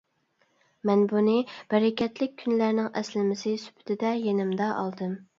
مەن بۇنى بەرىكەتلىك كۈنلەرنىڭ ئەسلىمىسى سۈپىتىدە يېنىمدا ئالدىم.